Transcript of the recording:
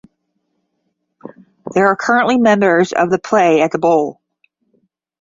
They are currently members of the and play at The Bowl.